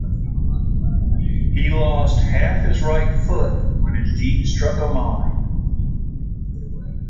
He lost half his right foot when his jeep struck a mine.